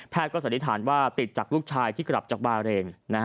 ก็สันนิษฐานว่าติดจากลูกชายที่กลับจากบาเรน